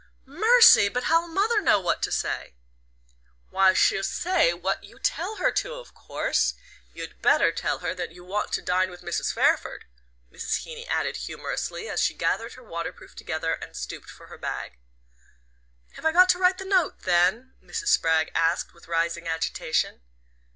"Mercy! But how'll mother know what to say?" "Why, she'll say what you tell her to, of course. You'd better tell her you want to dine with Mrs. Fairford," Mrs. Heeny added humorously, as she gathered her waterproof together and stooped for her bag. "Have I got to write the note, then?" Mrs. Spragg asked with rising agitation.